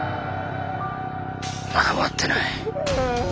まだ終わってない。